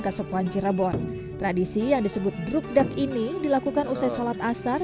kasepuhan cirebon tradisi yang disebut drugdak ini dilakukan usai sholat asar